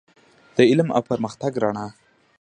د علم او پرمختګ رڼا.